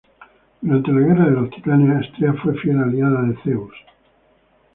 Durante la Guerra de los Titanes Astrea fue fiel aliada de Zeus.